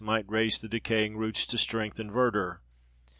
might raise the decaying roots to strength and verdure.